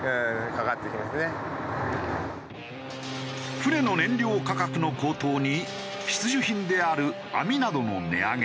船の燃料価格の高騰に必需品である網などの値上げ。